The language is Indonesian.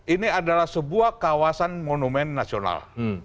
ini adalah sebuah kawasan monumen nasional